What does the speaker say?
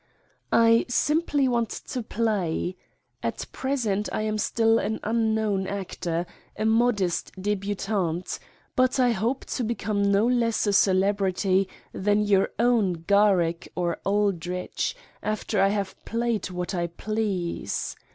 I simply want to play. At present I am still an unknown actor, a modest debutante, but I hope to become no less a celebrity than your own Gar rick or Aldrich, after I have played what I please.